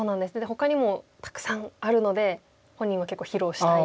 ほかにもたくさんあるので本人は結構披露したいと。